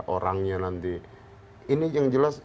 orangnya nanti ini yang jelas